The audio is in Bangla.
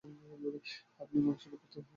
আপনি মানুষের উপর থেকে হাল ছেড়ে দিয়েছেন।